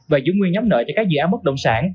và giữ nguyên nhóm nợ cho các dự án mất đồng sản